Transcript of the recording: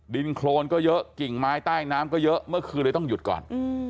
ดินโครนก็เยอะกิ่งไม้ใต้น้ำก็เยอะเมื่อคืนเลยต้องหยุดก่อน